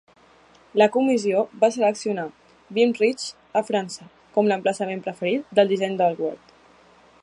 La comissió va seleccionar Vimy Ridge a França com l'emplaçament preferit del disseny d'Allward.